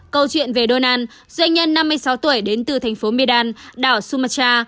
câu chuyện về donald doanh nhân năm mươi sáu tuổi đến từ thành phố medan đảo sumacha